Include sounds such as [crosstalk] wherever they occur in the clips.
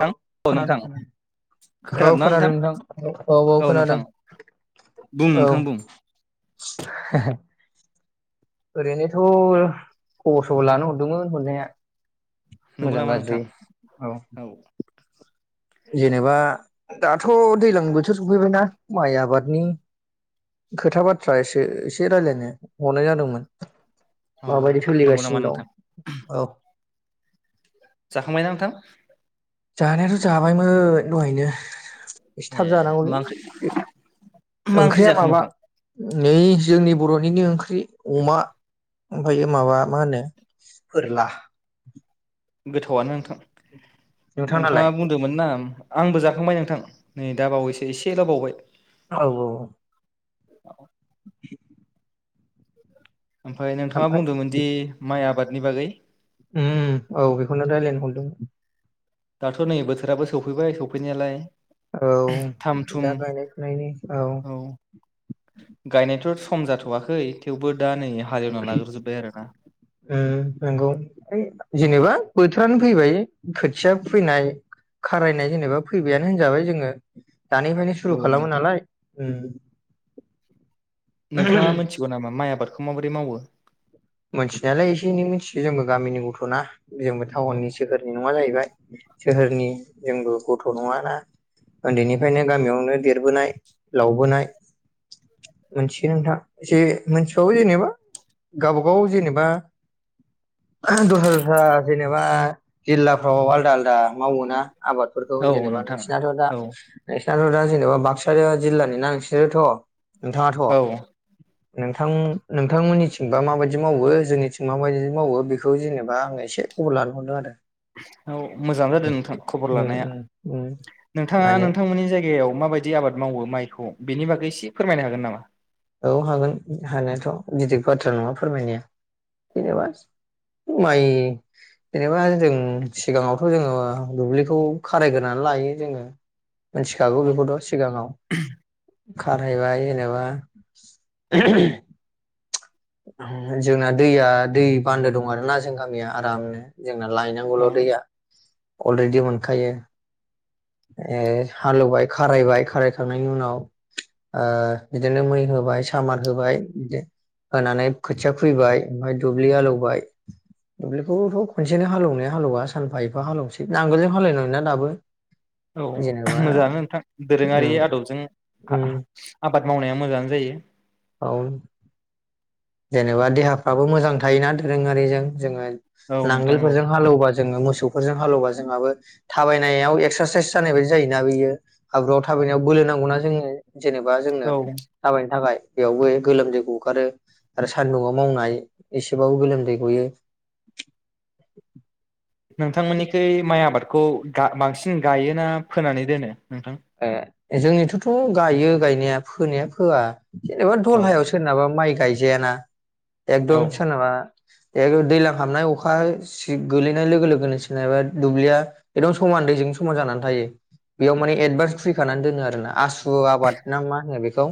औ थां खोनादों नोंथां खोनादों औ खोनादों नोंथां औ औ औ खोनादों बुं औ नोंथां बुं [unintelligible] ओरैनोथ' खबर सबर लानो हरदोंमोन हरनाया। नंगौ मोजां नामा नोंथां गाज्रि औ जेनेबा दाथ' दैलां बोथोर सफैबायना माइ आबादनि खोथा बाथ्रा एसे एसे रायलायनो हनाय जादोंमोन। औ माबायदि नंगौ नामा सोलिगासिनो नोंथां दं औ जाखांबाय ना नोंथां? जानायाथ' जाबायमोन दहायनो। एसे थाब ए जानांगौलै मा ओंख्रि? मा ओंख्रि ओंख्रिया जाखो माबा नोंथां? नै जोंनि बर'निनो ओंख्रि अमा ओमफ्रायो माबा मा होनो? फोरला। गोथावानो नोंथां। नोंथांनालाय नोंथाङा बुंदोंमोन ना आंबो जाखांबाय नोंथां। नै दा बावैसो एसेल' बावबाय। औ औ। [inaudible] [inaudible] ओमफ्राय नोंथाङा ओमफाय बुंदोंमोन दि माइ आबाद नि बागै उम औ बे खौनो रायलायनो हरदोंमोन। दाथ' नै बोथोराबो सौफैबाय सौफैनायालाय। औ थाम थुम दा गायनाय फुनायनि औ गायनायथ' सम जाथ'आखै थेवबो दा नै हालेवना लाग्रोजोब्बाय आरोना ओ नंगौ ओइ औ जेनेबा बोथोरानो फैबाय। खो थिया फैनाय खारायनाय जेनेबा फैबायानो होनजाबाय जोङो। दानिफ्रायनो सुरु औ खालामो नोंथां नालाय। उम नोंथाङा मोनथिगौ नामा माइ आबाद खौ माबोरै मावो? मोनथिनायालाय एसे एनै मोनथियो जोंबो गामिनि गथ'ना। जोंबो औ टाउननि सोहोरनि नङा जाहैबाय। सोहोरनि जोंबो गथ' नङाना उन्दैनिफ्रायनो गामियावनो देर देरबोनाय लावबोनाय मोनथियो नोंथां एसे मोनथिबाबो जेनेबा गावब गाव जेनेबा दस्रा दस्रा जेनेबा जिल्लाफ्राव आलादा आलादा मावोना। आबादफोरखौ औ जेनेबा नोंथां नोंसिनाथ' दा औ नोंसि [unintelligible] दा जेनेबा बाक्सा जिल्लानिना नोंसोरोथ' नोंथाङाथ' औ नोंथां नोंथांमोननिथिंबा माबायदि बिदि मावो जोंनि थिं माबायदि मावो बेखौ जेनेबा आङो एसे खबर लानो हरदों आरो। औ मोजां जादों नोंथां खबर उम लानाया उम उम नोंथाङा माने नोंथांमोननि जायगायाव माबाय दि आबाद मावो माइखौ बेनि बागै एसे फोरमायनो हागोन नामा? औ हागोन हानायाथ' गिदिर बाथ्रा नङा फोरमायनाया। जेनेबा माइ जेनेबा जों सिगाङावथ' जोङो दुब्लिखौ खारायग्रोनानै लायो जोङो। मिथिखागौ औ बेखौथ' सिगाङाव खारहायबाय जेनेबा [inaudible] जोंना दैया दै बान्दो दं आरो ना जों गामिया आरामनो। जोंना लायनांगौल' दैया। अलरेडि मोनखायो। ए हालेवबाय खारायबाय खारायखांनायनि उनाव बिदिनो मै होबाय सामार होबाय बिदि होनानै खोथिया खुबैबाय ओमफाय दुब्लि हालौवबाय दुब्लिखौथ' खनसेनो हालेवनाया हालेवा सानफा एफा हालेवनोसै नांगोलजों हालेवनायना दाबो औ जेनेबा मोजाङानो नोंथां दोरोङारि उम आदबजों आ उम आबाद मावनाया मोजाङानो जायो। औ जेनेबा देहाफ्राबो मोजां थायोना दोरोङारिजों जोङो औ नोंथां औ नांगोलफोरजों हालौबा जोङो मोसौफोरजों हालौबा जोंहाबो थाबायनायाव एक्सारसाइस जानाय बाददि जायोना बियो हाब्रुआव थाबायनायाव बोलो नांगौना जोंनो। जेनेबा जोंनो औ थाबायनो थाखाय बेयावबो गोलोमदैखौ गगारो आरो सान्दुआव मावनाय एसेबाबो गोलोमदै गयो। नोंथांमोननिखै माइ आबाद खौ गा बांसिन गायोना फोनानै दोनो? नोंथां जोंनिथ'थ' गायो गायनाया फोनाया फोआ जेनेबा औ दलहायाव सोरनाबा माइ गायजाया ना औ एकदम सोरनाबा ए दैज्लां हाबनाय अखा सि-गोलैनाय लोगो लोगोनोेनबा दुब्लिया एकदम समान दैजों समान जानानै थायो बेयाव माने एदभान्स खैखानानै दो आरो ना आसु आबाद ना मानो बे खौ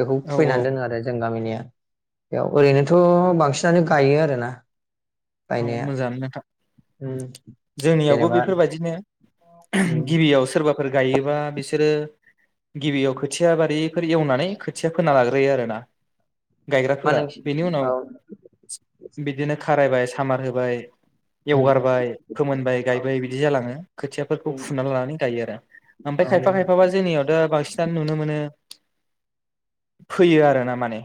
बेखौ औ औ खुफैनानै दोनो आरो जों गामिनिया। बेयाव ओरैनोथ' बांसिनानो गायो आरोना औ गायनाया मोजाङानो नोंथां उम जोंनियावबो जेनेबा बेफोरबायदिनो आह उम गिबियाव सोरबा फोर गायोबा बिसोरो गिबियाव खोथिया बारिफोर एवनानै खोथिया फोना लाग्रोयो आरो ना मा गायग्राफोरा नोंसि बेनि उनाव औ बिदिनो खारायबाय खामार होबाय उम एवगारबाय फोमोनबाय औ गायबाय बिदि जालाङो खोथियाफोरखौ उम फुनानै लानानै गायो आरो ओमफाय औ खायफा औ खायफाबा जोंनियाव दा बांसिनानो नुनो मोनो [inaudible] फोयो आरो ना माने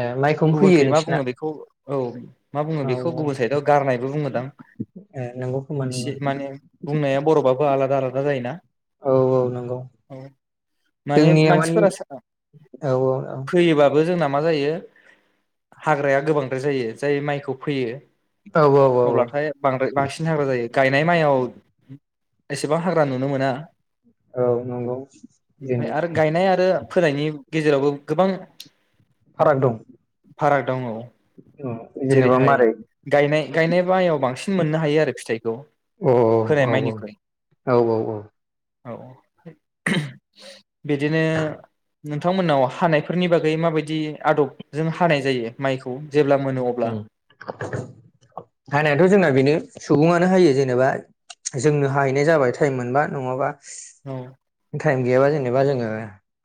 ए माइखौनो फैयो गुबुनखै मा बुङो नोंसिना? बेखौ औ मा बुङो औ बेखौ औ गुबुन साइदआव गारनायबो बुङोदां ए नंगौ खोमा नंगौ इसे माने बुंनाया बर'बाबो आलादा आलादा जायोना औ औ नंगौ औ माने जोंनिया मानि मानसिफोरा सो औ औ औ फैयोबाबो जोंना मा जायो हाग्राया गोबांद्राय जायो जाय माइखौ फैयो औ औ औ अब्लाथाय बांद्राय बांसि हाग्रा जायो गायनाय माइ आवएसेबां हाग्रा नुनो मोना। [inaudible] औ नंगौ ओमफाय बिदिनो आरो गायनाय आरो फोनायनि गेजेरावबो गोबां फाराग दं। फाराग दङ' औ जेनेबा जेरैहाय मारै गायनाय गायनाय माइ आव बांसिन मोननो हायो आरो फिथाइखौ औ फोनाय औ माइनिख्रुइ औ औ औ बिदिनो नोंथांमोन्नाव हानायफोरनि बागै माबायदि आदब जों हानाय जायो माइखौ? अब्ला उम हानायाथ' जोंना बेनो सुबुङानो हायो जेनेबा जोंनो हाहैनाय जाबाय टाइम मोनबा नङाबा औ टाइम गैयाबा जेनेबा जोङो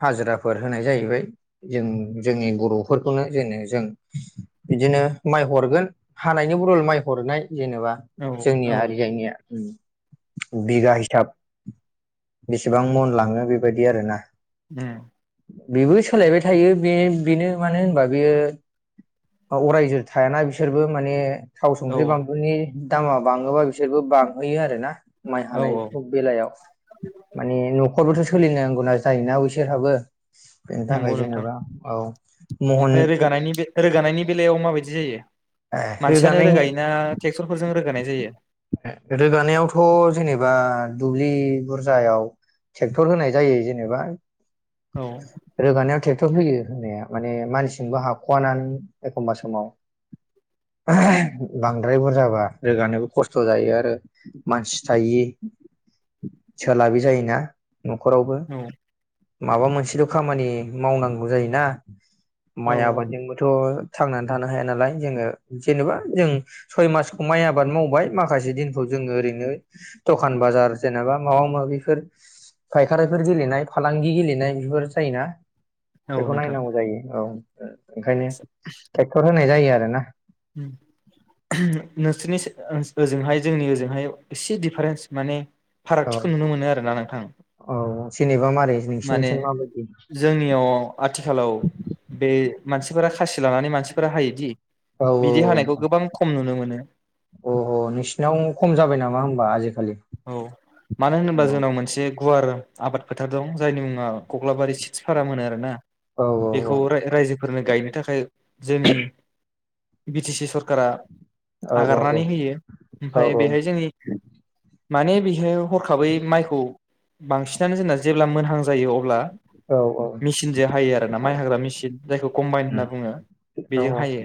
हाजिराफोर होनाय जाहैबाय जों जोंनि बर'फोरखौनो जेनो जों बिदिनो माइ हरगोन हानायनि बदल माइ हरनाय जेनेबा औ जोंनिया औ ओरैजायनिया बिगा हिसाब बिस बां मन लाङो बेबायदि आरो ना उम। बेबो सोलायबाय थायो बे बेनो मानो होनबा बेयो अरायजो थायाना बिसोरबो माने थाव औ संख्रि बानलुनि दामा बाङोबा बिसोरबो बां फायो आरो ना। माइ औ हानाय औ सब बेलायाव। न'खरबोथ' सोलिनांगौना जायोना बिसोरहाबो। बेनि थाखाय नंगौ नोंथां जेनेबा औ महन ओमफ्राय रोगानायनि बे रोगानायनि बेलायाव माबाय दि जायो? ए मानसियानो रोगानायनि रोगायोना ट्रेक्टरफोरजों रोगानाय जायो रोगानायावथ' जेनेबा दुब्लि बुरजायाव ट्रेक्टर होनाय जायो जेनेबा औ रोगानायाव टेक - टर होयो होनाया माने मानसिजोंबो हाख'वा ना नों एखमबा समाव। बांद्राय बुरजाबा रोगानोबो खस्थ' जायो आरो मानसि थायि सोलाबि जायोना। न'खरावबो। औ माबा मोनसेल' खामानि मावनांगौ जायोना। माइ औ आबादजोंबोथ'। थांनानै थानो हाया नालाय। जोङो जेनेबा जों सय मासखौ माइ आबाद मावबाय माखासे दिनखौ जोङो ओरैनो दखान बाजार जेनेबा माबा माबिफोर फायखारिफोर गेलेनाय फालांगि गेलेनाय बेफोर जायोना। औ बेखौ नोंथां नायनांगौ जायो औ ओंखायनो ट्रेक्टर होनाय जायो आरो नो सिनि सो ओजोंहाय जोंनि ओजोंहाय एसे दिडिफारेन्स माने। औ फारागथिखौ नुनो मोनो आरोना नोंथां। औ जेनेबा मारै माने नोंसिनिथिं माबायदि जोंनियाव आथिखालाव बे मानसिफोरा खासि लानानै मानसिफोरा हायोदि। औ औ बिदि हानायखौ औ गोबां खम नुनो मोनो अह अह नोंसिनाव खम जाबाय नामा होन बा आजि औ मानो होनोबा जोंनाव मोनसे गुवार आबाद फोथार दं जायनि मुङा कख्लाबारि सिदस फाराम होनो आरोना। औ औ औ बेखौ राय-रायजो फोरनो गायनो थाखाय। जोंनि। बि टि सि सरखारा। औ आगारनानै होयो औ ओमफ्राय बेहाय जोंनि माने बेहाय हरखाबै माइखौ बांसिनानो जोंना जेब्ला मोनहां जायो अब्ला। औ उम। मेचिनजों हायो आरोना माइ हाग्रा मेचिन जायखौ कम्बाइन होनना बुङो औ बेजों औ हायो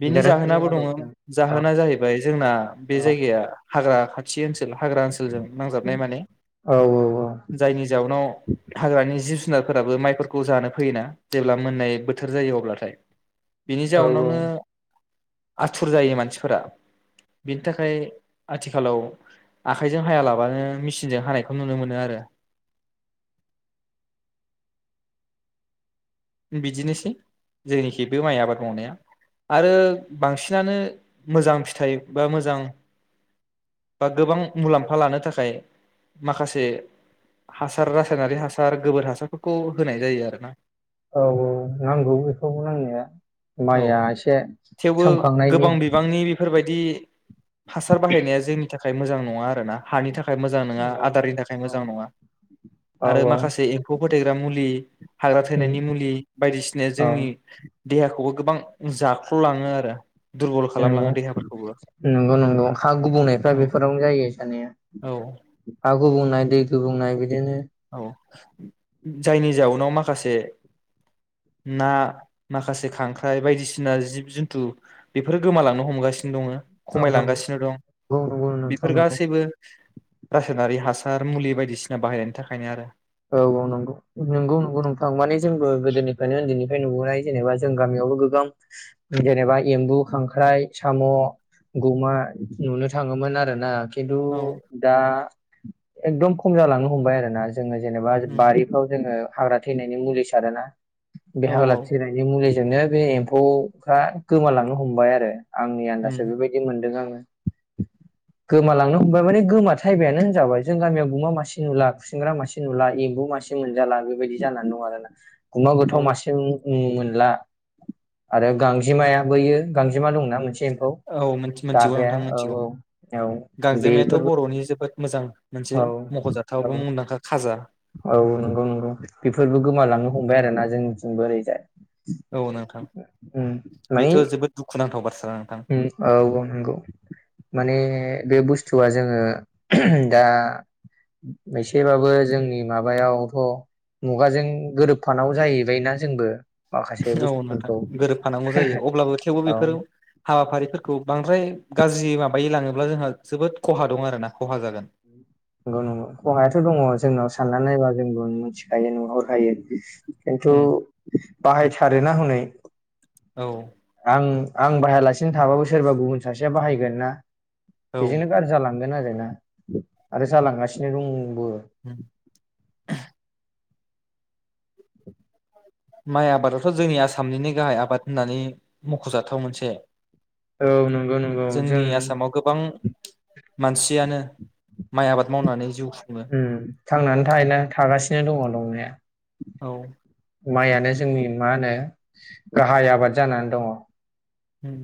बेनि दोरोङारि जाहोनाबो दङ आदबजों औ जाहोना जाहैबाय जोंना बे औ जायगाया हाग्रा खाथि। हाग्रा ओनसोलजों नांजाबनाय माने औ जायनि जाउनाव हाग्रानि जिब जुनारफोराबो माइफोरखौ जानो फैयोना जेब्ला मोननाय बोथोर जायो अब्लाथाय। बिनि औ जाउनावनो। आथुर जायो मानसिफोरा बेनि थाखाय आथिखालाव। आखायजों हायालाबानो मेसिनजों हानायखौ नुनो मोनो आरो। बिदिनोसै जोंनिखि बे माइ आबाद मावनाया आरो बांसिनानो मोजां फिथाइ बा मोजां बा गोबां मुलाम्फा लानो थाखाय माखासे हासार रासायनारि हासार गोबोर हासारफोरखौ होनाय जायो आरोना। औ औ नांगौ बेखौ नांनाया औ माइया एसे सोमखांनायनि। दि हासार बाहायनाया जोंनि था खाय मोजां नङा आरोना हानि था खाय मोजां नङा औ आदारनि थाखाय औ मोजां नङा औ आरो औ माखासे एम्फौ फोथैग्रा मुलि। हाग्रा उम थैनायनि मु बायदिसिनाया जोंनि। औ देहाखौबो गोबां जाख्ल'लाङो आरो। दुरबल नंगौ खालामलाङो देहाफोरखौबो नंगौ नंगौ हा गुबुंनायफ्रा औ बेफोरावनो जायो जानाया औ हा गुबुंनाय दै गुबुंनाय बिदिनो। [unintelligible] औ जायनि जाउनाव माखासे ना माखासे खांख्राइ बायदिसिना जिब जन्थु बेफोरो गोमालांनो हमगासिनो दङो। औ खमायलांगासिनो नंगौ दं नंगौ नंगौ नोंथां बेफोर नंगौ गासैबो रासायनारि हासा थार मुलि बायदिसिना बाहायनायनि था [unintelligible] आरो। औ औ नंगौ नंगौ नंगौ नोंथां माने जोंबो गोदोनिफ्रायनो उन्दैनिफ्राय नुबोनाय जेनेबा जों गामियावबो गोबां जेनेबा एम्बु खांख्राइ साम' गुमा नुनो थाङोमोन आरो ना। खिन्थु औ दा। एकदम खम जालांनो हमबाय आरोना। [unintelligible] जेनेबा उम बारिफ्राव जोङो। हाग्रा थैनायनि मुलि सारोना। बे औ हाग्रा थैनायनि मुलि जोंनो बे एम्फौफ्रा गोमालांनो हमबाय आरो। आंनि आन्दासजों उम बेबायदि मोनदों आङो। गोमालांनो हमबाय माने गोमा थायबायानो होनजाबाय जों गामियाव गुमा मासि नुला खुसिंग्रा मासि जे नुला एम्बु मासे मोनजाला बेबायदि जानानै दं आरोना। गुमाव गोथाव औ मासिजों मोनला आरो गांजेमाया बैयो गांजेमा दंना मोनसे एम्फौ औ मिथि मिथिगौ दाग्राया नोंथां औ मिथिगौ औ गांजेमायाथ' बेफोरबो बर'नि जोबोद मोजां मोनसे औ मख'जाथाव औ बा मुंदांखा खाजा औ नंगौ नंगौ बेफोरबो गोमालांनो हमबाय आरो ना जोंनिथिंबो ओरैजाय औ नोंथां उम माने बेथ' जोबोद दुखु नांथाव बाथ्रा नोंथां उम औ नंगौ माने बे बुस जेथुबा जोङो दा एसेबाबो जोंनि माबायावथ' मुगाजों गोरोबफानांगौ जाहैबायना जोंबो माखासे औ नोंथां बुस्थुफोरखौ गोरोबफानांगौ जायो अब्लाबो थेवबो औ बेफोर हाबाफारिफोरखौ बांद्राय गाज्रि माबायै लाङोब्ला जोंहा जोबोद खहा दं आरोना खहा जागोन नंगौ नंगौ खहायाथ' दङ जोंनाव साननानै नायबा जोंबो मिथिखायो नुहरखायो। खिन्थु उम बाहायथारोना हनै औ आं आं बाहायालासिनो थाबाबो सोरबा गुबुन सासेया बाहायगोन ना औ बिजोंनो गाज्रि जालांगोन आरो ना आरो जालांगासिनो रं बो माइ आबादाथ' जोंनि आसामनिनो गाहाय आबाद होननानै मख'जाथाव मोनसे औ नंगौ नंगौ जोंनि जों आसामाव गोबां मानसियानो माइ आबाद मावनानै जिउ खुङो उम थांनानै थाहोन थागासिनो दङ दंनाया औ माइआनो जोंनि मा होनो गाहाय आबाद जानानै दङ। उम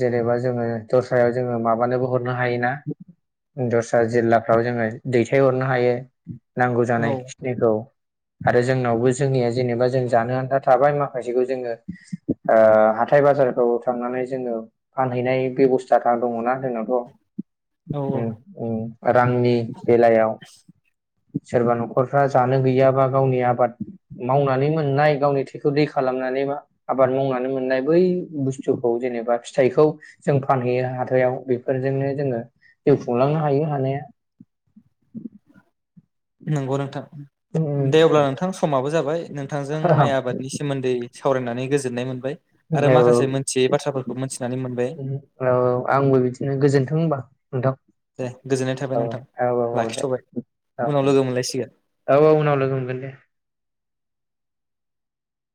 जेनेबा जोङो दस्रायाव जोङो माबानोबो हरनो हाय ना दस्रा जिल्लाफ्राव जोङो दैथायहरनो हायो। नांगौ जानाय औ खिनिखौ आरो जोंनावबो जोंनिया जेनेबा जों जानो आन्था थाबाय माखासेखौ जोङो ओ हाथाय बाजारफ्राव थांनानै जोङो फानहैनाय बेबस्था दङना जोंनावथ' औ उम उम रांनि बेलायाव सोरबा न'खरफ्रा जानो गैयाबा गावनि आबाद मावनानै मोननाय गावनि थैखौ दै खालामनानै बा आबाद मावनानै मोननाय बै बुस्थुखौ जेनेबा बा फिथाइखौ जों फानहैयो हाथायाव बेफोरजोंनो जोङो जिउ खुंलांनो हायो हानाया नंगौ नोंथां उम दे अब्ला नोंथां समाबो जाबाय नोंथांजों माइ आबादनि सोमोन्दै सावरायनानै गोजोननाय मोनबाय आरो माखासे मोनथियै बाथ्राफोरखौ मोनथिनानै मोनबाय औ औ आंबो बिदिनो गोजोनथों होनबा नोंथां दे गोजोननाय थाबाय औ नोंथां औ औ औ दे लाखिथ'बाय औ उनाव लोगो मोनलायसिगोन। औ औ उनाव लोगो हमगोन दे